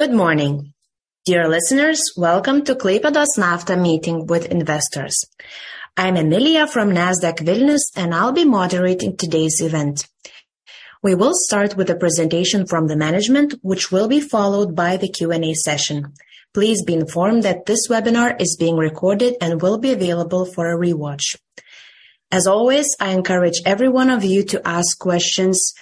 Good morning, dear listeners. Welcome to Klaipėdos Nafta meeting with investors. I'm Emilia from Nasdaq Vilnius, I'll be moderating today's event. We will start with a presentation from the management, which will be followed by the Q&A session. Please be informed that this webinar is being recorded and will be available for a rewatch. As always, I encourage every one of you to ask questions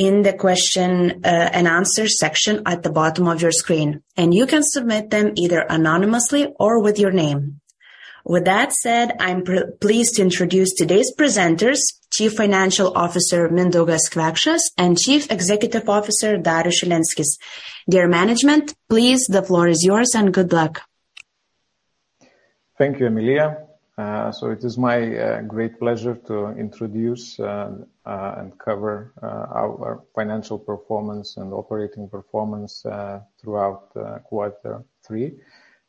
in the question and answer section at the bottom of your screen, you can submit them either anonymously or with your name. With that said, I'm pleased to introduce today's presenters, Chief Financial Officer, Mindaugas Kvekšas, and Chief Executive Officer, Darius Šilenskis. Dear Management, please, the floor is yours, good luck. Thank you, Emilia. It is my great pleasure to introduce and cover our financial performance and operating performance throughout quarter three,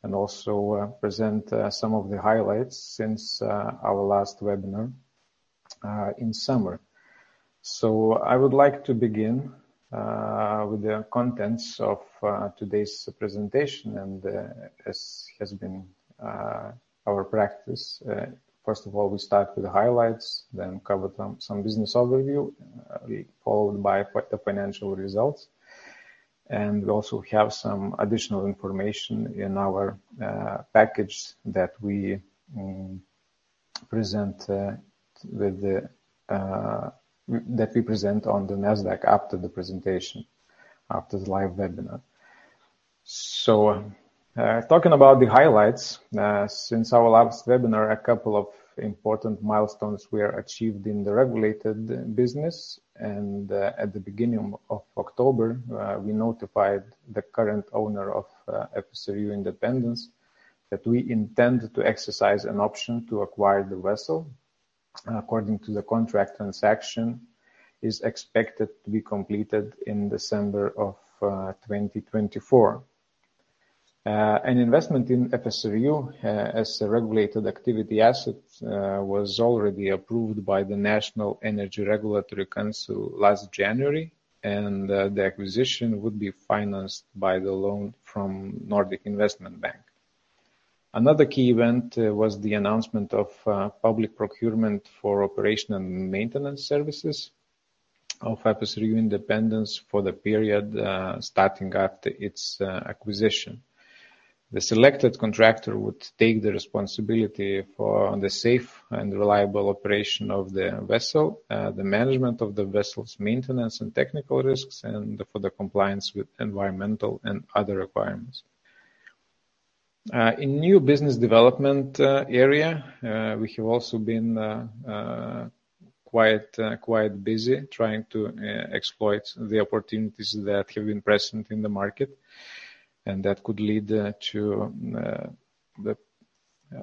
and also present some of the highlights since our last webinar in summer. I would like to begin with the contents of today's presentation and as has been our practice. First of all, we start with the highlights, then cover some business overview, be followed by the financial results. We also have some additional information in our package that we present on the Nasdaq after the presentation, after the live webinar. Talking about the highlights, since our last webinar, a couple of important milestones were achieved in the regulated business. At the beginning of October, we notified the current owner of FSRU Independence that we intend to exercise an option to acquire the vessel. According to the contract, transaction is expected to be completed in December of 2024. An investment in FSRU as a regulated activity asset was already approved by the National Energy Regulatory Council last January, and the acquisition would be financed by the loan from Nordic Investment Bank. Another key event was the announcement of public procurement for operation and maintenance services of FSRU Independence for the period starting after its acquisition. The selected contractor would take the responsibility for the safe and reliable operation of the vessel, the management of the vessel's maintenance and technical risks, and for the compliance with environmental and other requirements. In new business development area, we have also been quite busy trying to exploit the opportunities that have been present in the market and that could lead to the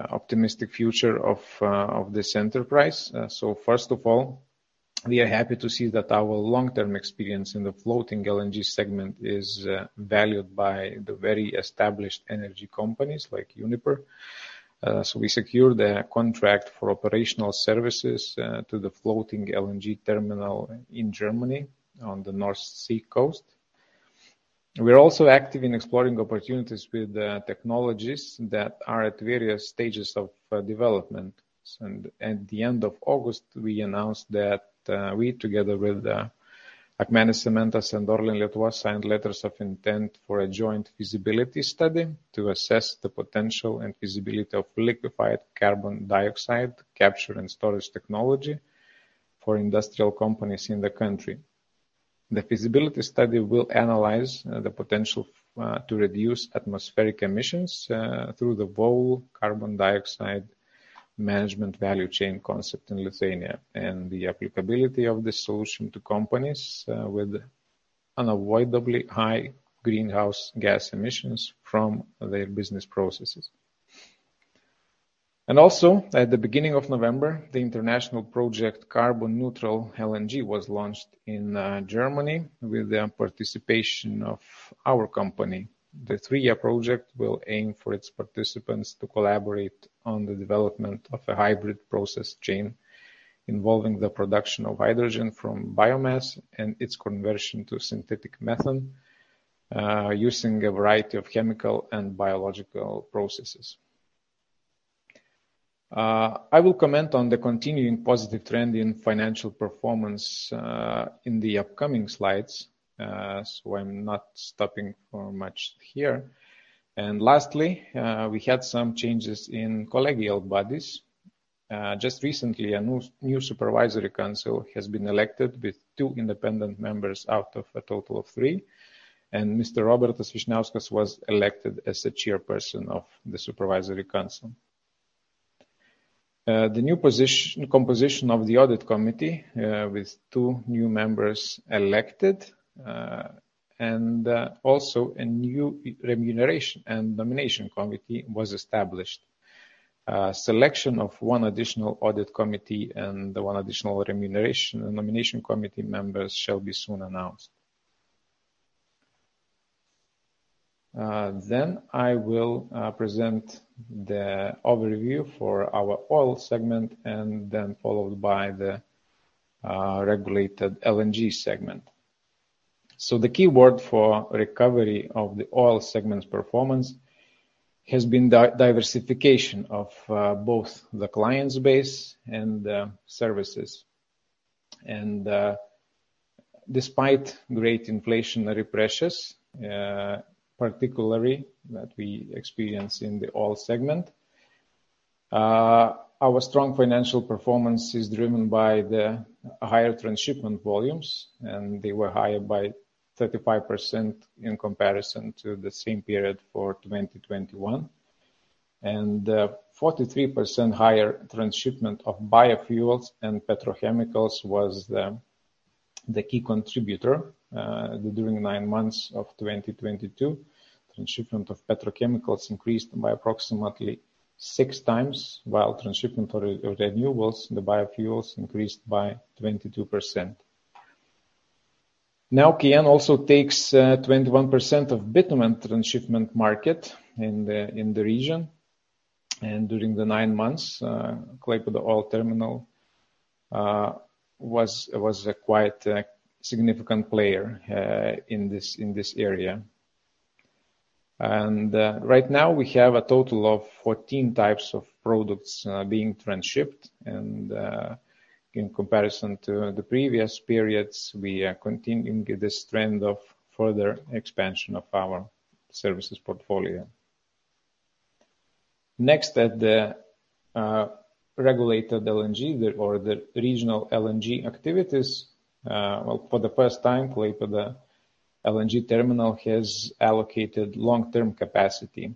optimistic future of this enterprise. First of all, we are happy to see that our long-term experience in the floating LNG segment is valued by the very established energy companies like Uniper. We secured a contract for operational services to the floating LNG terminal in Germany on the North Sea coast. We are also active in exploring opportunities with technologies that are at various stages of development. At the end of August, we announced that we together with Akmenės Cementas and ORLEN Lietuva signed letters of intent for a joint feasibility study to assess the potential and feasibility of liquefied carbon dioxide capture and storage technology for industrial companies in the country. The feasibility study will analyze the potential to reduce atmospheric emissions through the whole carbon dioxide management value chain concept in Lithuania, and the applicability of this solution to companies with unavoidably high greenhouse gas emissions from their business processes. Also, at the beginning of November, the international project Carbon Neutral LNG was launched in Germany with the participation of our company. The three-year project will aim for its participants to collaborate on the development of a hybrid process chain involving the production of hydrogen from biomass and its conversion to synthetic methane, using a variety of chemical and biological processes. I will comment on the continuing positive trend in financial performance, in the upcoming slides, so I'm not stopping for much here. Lastly, we had some changes in collegial bodies. Just recently, a new supervisory council has been elected with two independent members out of a total of three. Mr. Robertas Vyšniauskas was elected as the chairperson of the supervisory council. The new composition of the audit committee, with two new members elected, and also a new remuneration and nomination committee was established. Selection of one additional audit committee and one additional remuneration and nomination committee members shall be soon announced. I will present the overview for our oil segment and followed by the regulated LNG segment. The key word for recovery of the oil segment's performance has been diversification of both the clients base and services. Despite great inflationary pressures, particularly that we experience in the oil segment. Our strong financial performance is driven by the higher transshipment volumes, and they were higher by 35% in comparison to the same period for 2021. 43% higher transshipment of biofuels and petrochemicals was the key contributor. During nine months of 2022, transshipment of petrochemicals increased by approximately 6x, while transshipment of renewables, the biofuels increased by 22%. Now, Klaipėda also takes 21% of bitumen transshipment market in the region. During the nine months, Klaipėda Liquid Energy Products Terminal was a quite significant player in this area. Right now we have a total of 14 types of products being transshipped. In comparison to the previous periods, we are continuing this trend of further expansion of our services portfolio. Next at the regulated LNG or the regional LNG activities. Well, for the first time, Klaipėda LNG terminal has allocated long-term capacity.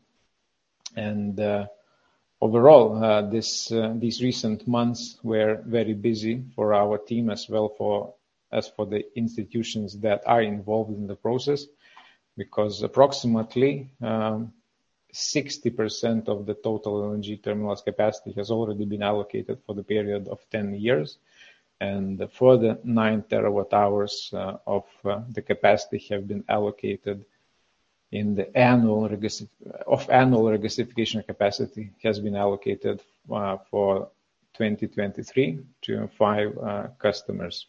Overall, this these recent months were very busy for our team as well as for the institutions that are involved in the process. Because approximately 60% of the total LNG terminal's capacity has already been allocated for the period of 10 years. A further 9 terawatt-hours of the capacity have been allocated in the annual regasification capacity has been allocated for 2023 to five customers.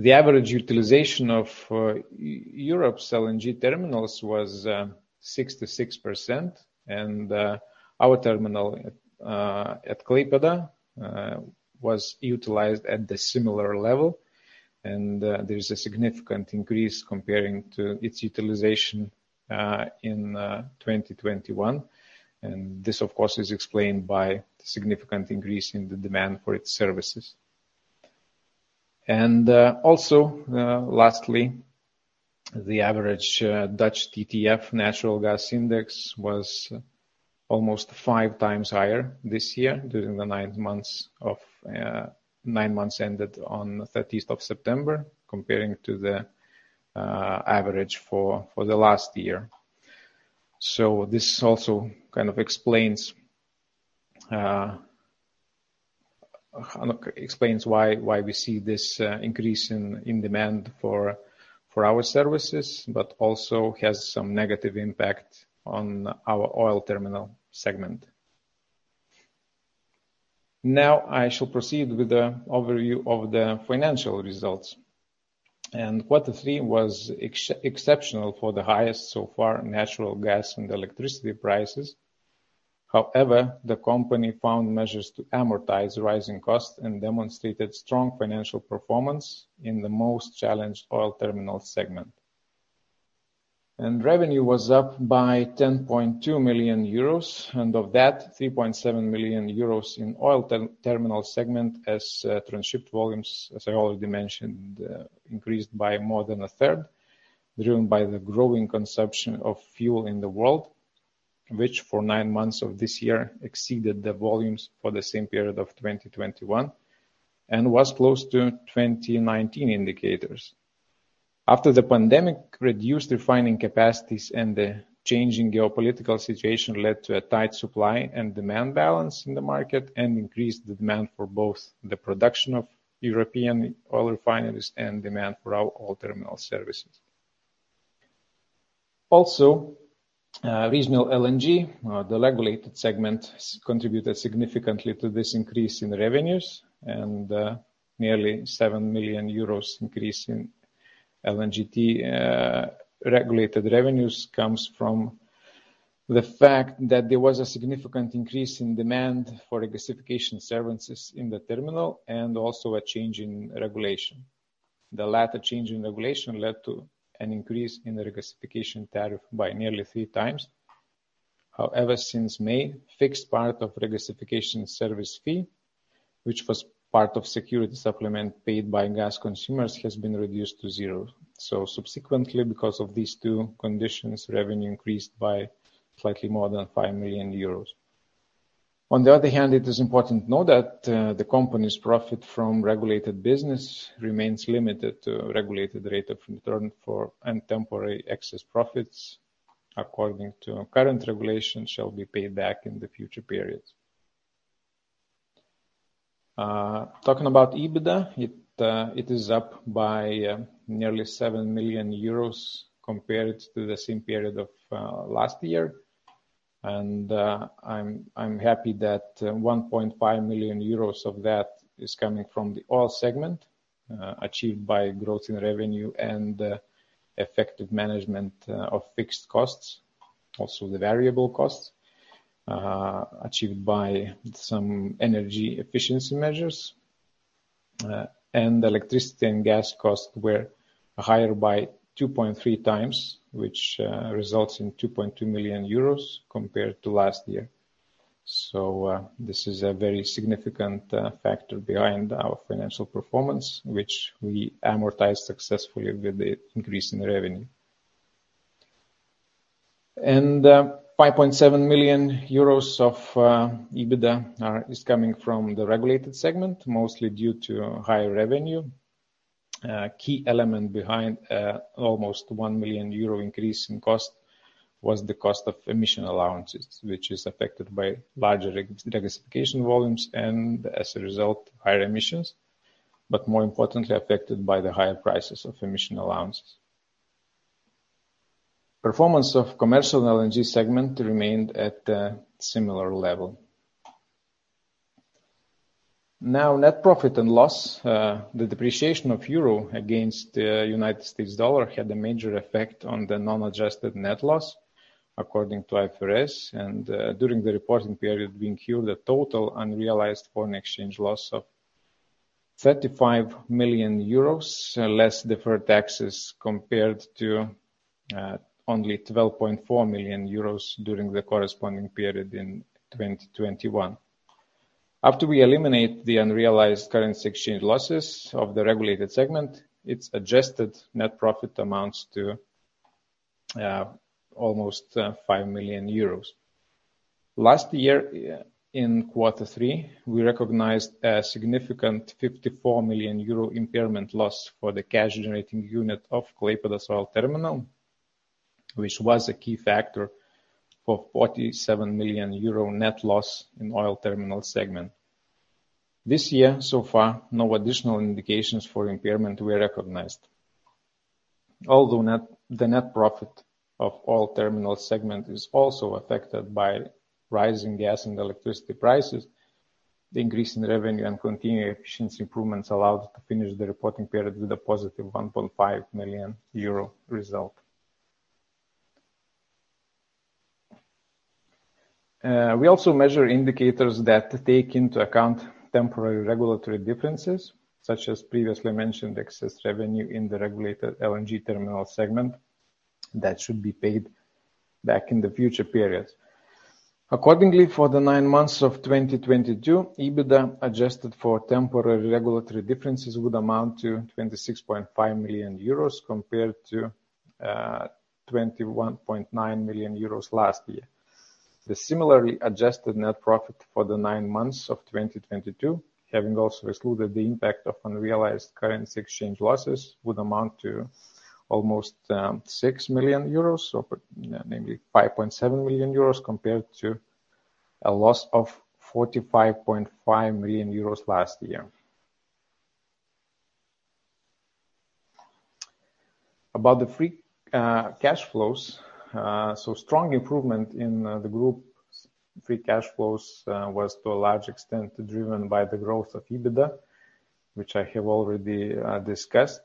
The average utilization of Europe's LNG terminals was 66%. Our terminal at Klaipėda was utilized at the similar level. There is a significant increase comparing to its utilization in 2021. This, of course, is explained by the significant increase in the demand for its services. Also, lastly, the average Dutch TTF natural gas index was almost 5x higher this year during the 9 months ended on 30th of September, comparing to the average for the last year. This also kind of explains why we see this increase in demand for our services, but also has some negative impact on our oil terminal segment. Now, I shall proceed with the overview of the financial results. Quarter three was exceptional for the highest so far natural gas and electricity prices. However, the company found measures to amortize rising costs and demonstrated strong financial performance in the most challenged oil terminal segment. Revenue was up by 10.2 million euros, and of that, 3.7 million euros in oil terminal segment as transshipped volumes, as I already mentioned, increased by more than a third. Driven by the growing consumption of fuel in the world, which for 9 months of this year exceeded the volumes for the same period of 2021 and was close to 2019 indicators. After the pandemic reduced refining capacities and the changing geopolitical situation led to a tight supply and demand balance in the market and increased the demand for both the production of European oil refineries and demand for our oil terminal services. Regional LNG, the regulated segment contributed significantly to this increase in revenues and nearly 7 million euros increase in LNGT regulated revenues comes from the fact that there was a significant increase in demand for regasification services in the terminal and also a change in regulation. The latter change in regulation led to an increase in the regasification tariff by nearly 3x. However, since May, fixed part of regasification service fee, which was part of security supplement paid by gas consumers, has been reduced to zero. Subsequently, because of these two conditions, revenue increased by slightly more than 5 million euros. On the other hand, it is important to know that the company's profit from regulated business remains limited to regulated rate of return for any temporary excess profits according to current regulations shall be paid back in the future periods. Talking about EBITDA, it is up by nearly 7 million euros compared to the same period of last year. I'm happy that 1.5 million euros of that is coming from the oil segment, achieved by growth in revenue and effective management of fixed costs. Also the variable costs, achieved by some energy efficiency measures. Electricity and gas costs were higher by 2.3x, which results in 2.2 million euros compared to last year. This is a very significant factor behind our financial performance, which we amortize successfully with the increase in revenue. 5.7 million euros of EBITDA is coming from the regulated segment, mostly due to higher revenue. Key element behind almost 1 million euro increase in cost was the cost of emission allowances, which is affected by larger regasification volumes and as a result, higher emissions, more importantly, affected by the higher prices of emission allowances. Performance of commercial LNG segment remained at a similar level. Net profit and loss. The depreciation of euro against U.S. dollar had a major effect on the non-adjusted net loss according to IFRS. During the reporting period we incurred a total unrealized foreign exchange loss of 35 million euros, less deferred taxes compared to only 12.4 million euros during the corresponding period in 2021. After we eliminate the unrealized currency exchange losses of the regulated segment, its adjusted net profit amounts to almost 5 million euros. Last year in quarter three, we recognized a significant 54 million euro impairment loss for the cash generating unit of Klaipėda Oil Terminal, which was a key factor for 47 million euro net loss in oil terminal segment. This year, so far, no additional indications for impairment were recognized. The net profit of oil terminal segment is also affected by rising gas and electricity prices, the increase in revenue and continued efficiency improvements allowed to finish the reporting period with a positive 1.5 million euro result. We also measure indicators that take into account temporary regulatory differences, such as previously mentioned excess revenue in the regulated LNG terminal segment that should be paid back in the future periods. Accordingly, for the nine months of 2022, EBITDA adjusted for temporary regulatory differences would amount to 26.5 million euros compared to 21.9 million euros last year. The similarly adjusted net profit for the nine months of 2022, having also excluded the impact of unrealized currency exchange losses, would amount to almost 6 million euros. namely 5.7 million euros compared to a loss of 45.5 million euros last year. About the free cash flows. Strong improvement in the group's free cash flows was to a large extent driven by the growth of EBITDA, which I have already discussed.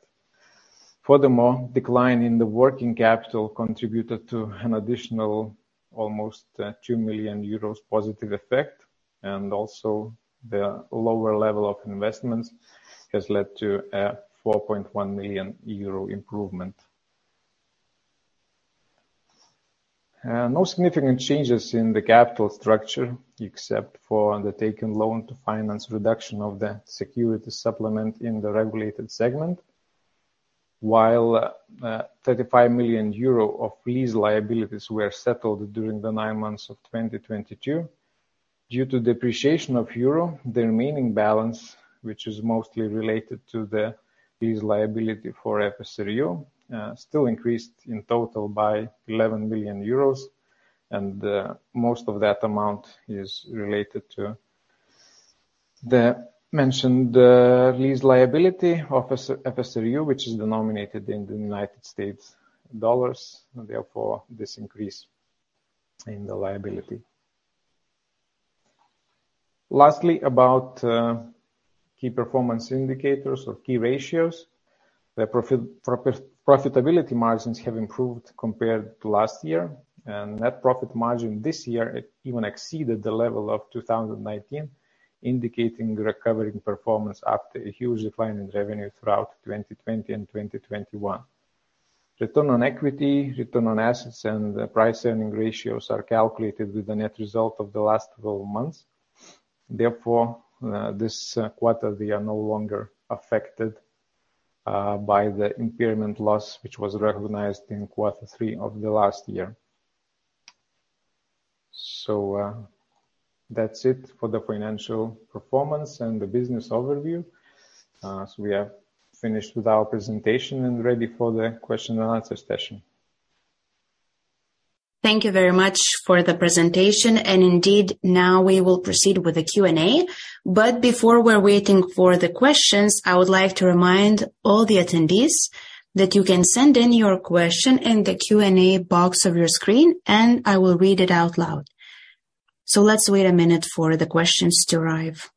Furthermore, decline in the working capital contributed to an additional almost 2 million euros positive effect. The lower level of investments has led to a 4.1 million euro improvement. No significant changes in the capital structure except for undertaking loan to finance reduction of the security supplement in the regulated segment. While 35 million euro of lease liabilities were settled during the 9 months of 2022. Due to depreciation of euro, the remaining balance, which is mostly related to the lease liability for FSRU, still increased in total by 11 million euros. The most of that amount is related to the mentioned lease liability of FSRU which is denominated in the United States dollars, and therefore this increase in the liability. Lastly, about key performance indicators or key ratios. The profitability margins have improved compared to last year. Net profit margin this year even exceeded the level of 2019, indicating recovering performance after a huge decline in revenue throughout 2020 and 2021. Return on equity, return on assets and the price earning ratios are calculated with the net result of the last 12 months. Therefore, this quarter they are no longer affected by the impairment loss which was recognized in quarter three of the last year. That's it for the financial performance and the business overview. We have finished with our presentation and ready for the question and answer session. Thank you very much for the presentation. Indeed now we will proceed with the Q&A. Before we're waiting for the questions, I would like to remind all the attendees that you can send in your question in the Q&A box of your screen, and I will read it out loud. Let's wait a minute for the questions to arrive.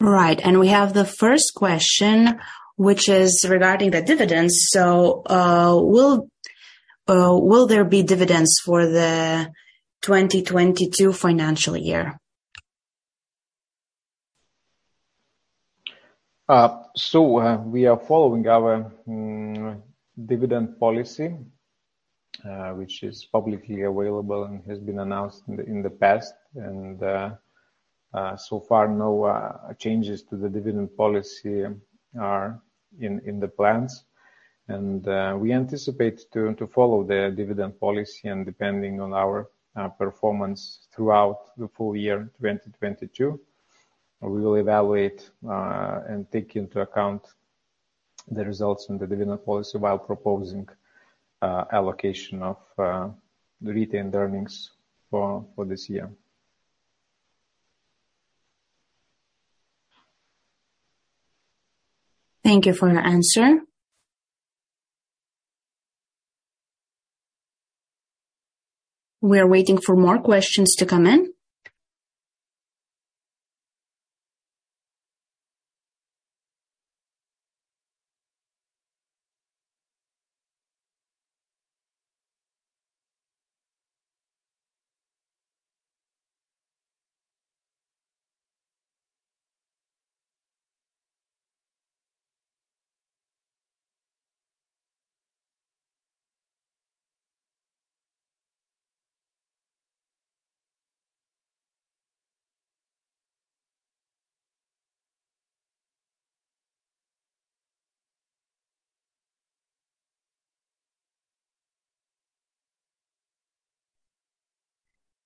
Right. We have the first question, which is regarding the dividends. Will there be dividends for the 2022 financial year? We are following our dividend policy, which is publicly available and has been announced in the past. So far, no changes to the dividend policy are in the plans. We anticipate to follow the dividend policy. Depending on our performance throughout the full year, 2022, we will evaluate and take into account the results in the dividend policy while proposing allocation of the retained earnings for this year. Thank you for your answer. We are waiting for more questions to come in.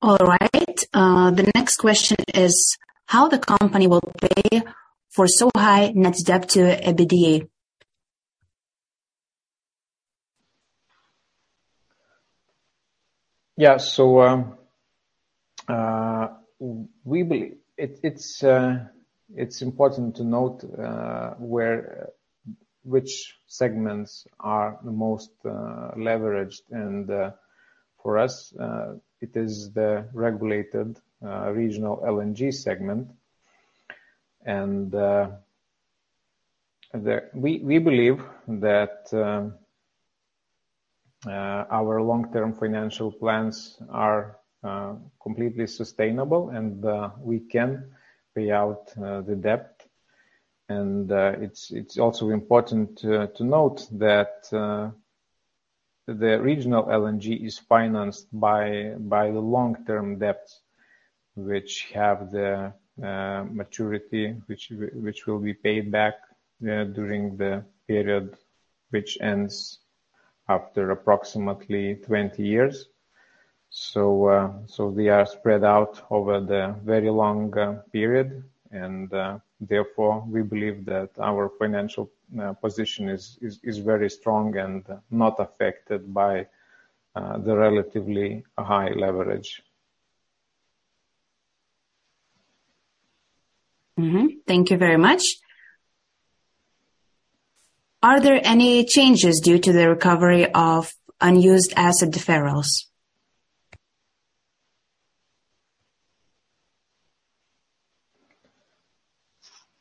All right. The next question is, how the company will pay for so high net debt to EBITDA? It's important to note which segments are the most leveraged. For us, it is the regulated regional LNG segment. We believe that our long-term financial plans are completely sustainable and we can pay out the debt. It's also important to note that the regional LNG is financed by the long-term debt, which have the maturity which will be paid back during the period which ends after approximately 20 years. They are spread out over the very long period, and therefore, we believe that our financial position is very strong and not affected by the relatively high leverage. Thank you very much. Are there any changes due to the recovery of unused asset deferrals?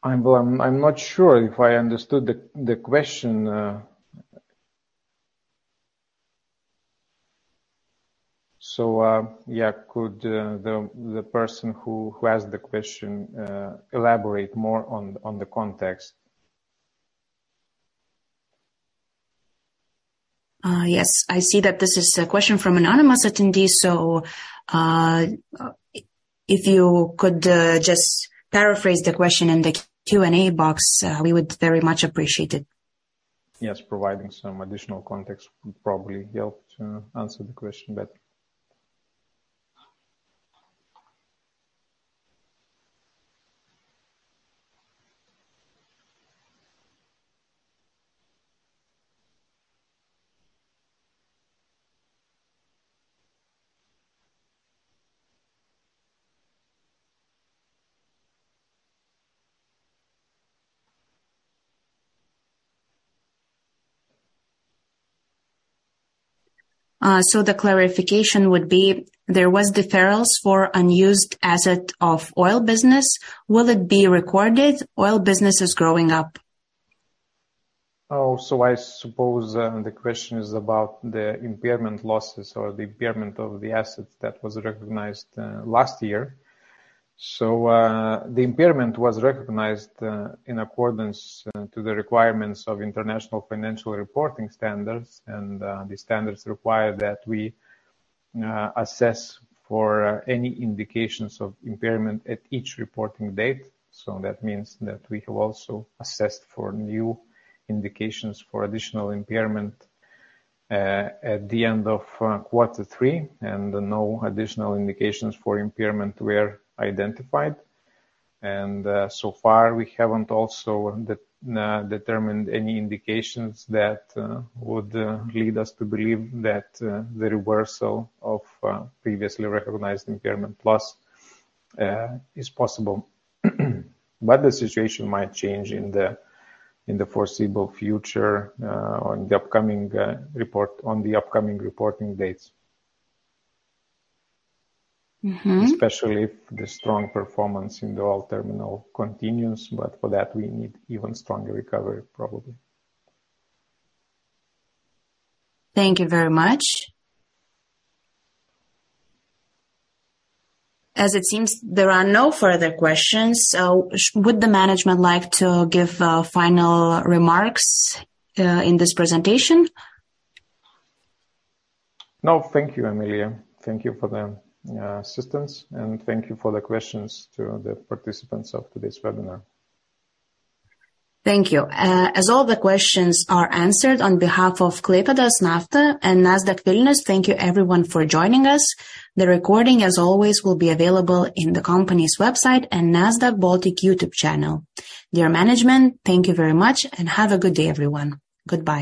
I'm not sure if I understood the question. Yeah. Could the person who asked the question elaborate more on the context? Yes. I see that this is a question from an anonymous attendee. If you could, just paraphrase the question in the Q&A box, we would very much appreciate it. Yes. Providing some additional context would probably help to answer the question better. The clarification would be, there was deferrals for unused asset of oil business. Will it be recorded? Oil business is growing up. I suppose the question is about the impairment losses or the impairment of the assets that was recognized last year. The impairment was recognized in accordance to the requirements of International Financial Reporting Standards. The standards require that we assess for any indications of impairment at each reporting date. That means that we have also assessed for new indications for additional impairment at the end of quarter three, and no additional indications for impairment were identified. So far we haven't also determined any indications that would lead us to believe that the reversal of previously recognized impairment loss is possible. The situation might change in the foreseeable future on the upcoming reporting dates. Especially if the strong performance in the oil terminal continues, but for that, we need even stronger recovery probably. Thank you very much. As it seems, there are no further questions. Would the management like to give final remarks in this presentation? No, thank you, Emilia. Thank you for the assistance, and thank you for the questions to the participants of today's webinar. Thank you. As all the questions are answered, on behalf of Klaipėdos Nafta and Nasdaq Vilnius, thank you everyone for joining us. The recording, as always, will be available in the company's website and Nasdaq Baltic YouTube channel. Dear management, thank you very much, and have a good day, everyone. Goodbye.